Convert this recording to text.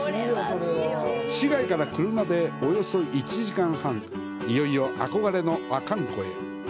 市街から車でおよそ１時間半、いよいよ憧れの阿寒湖へ。